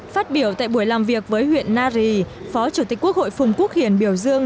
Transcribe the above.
phát biểu tại buổi làm việc với huyện nari phó chủ tịch quốc hội phùng quốc hiển biểu dương